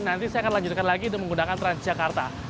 nanti saya akan lanjutkan lagi untuk menggunakan transjakarta